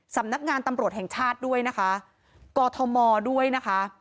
สำนักงานตำรวจแห่งชาติด้วยนะคะกอทมด้วยนะคะ